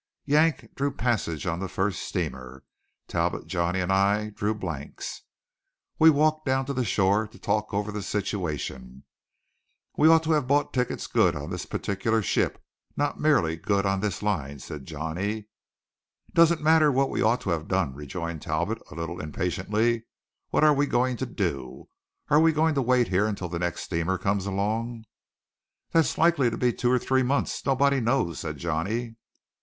Yank drew passage on the first steamer. Talbot, Johnny, and I drew blanks. We walked down to the shore to talk over the situation. [Illustration: "'YOU HOUNDS!' HE ROARED. 'DON'T YOU DARE TRY TO SNEAK OFF!'"] "We ought to have bought tickets good on this particular ship, not merely good on this line," said Johnny. "Doesn't matter what we ought to have done," rejoined Talbot a little impatiently. "What are we going to do? Are we going to wait here until the next steamer comes along?" "That's likely to be two or three months nobody knows," said Johnny.